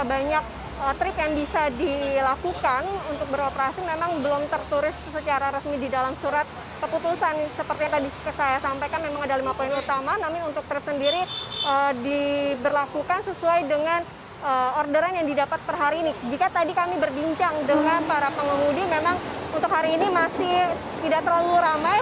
dengan para pengemudi memang untuk hari ini masih tidak terlalu ramai